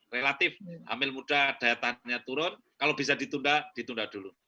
relatif hamil muda daya tahannya turun kalau bisa ditunda ditunda dulu